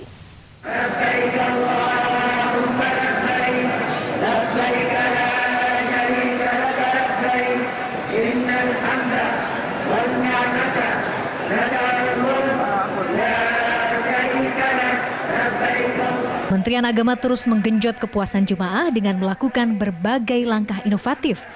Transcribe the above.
kementerian agama terus menggenjot kepuasan jemaah dengan melakukan berbagai langkah inovatif